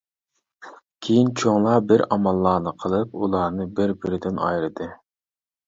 كىيىن چوڭلار بىر ئاماللارنى قىلىپ ئۇلارنى بىر-بىرىدىن ئايرىدى.